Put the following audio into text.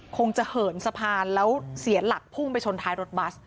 คงจะเหินสะพานแล้วเสียหลักพุ่งไปชนท้ายรถบัส